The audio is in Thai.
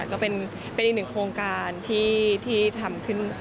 ก็เป็นอีกหนึ่งโครงการที่ทำขึ้น